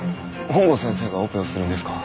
本郷先生がオペをするんですか？